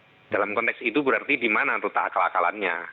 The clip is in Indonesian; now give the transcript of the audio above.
jadi dalam konteks itu berarti di mana tata akal akalannya